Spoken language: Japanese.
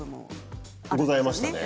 ございましたね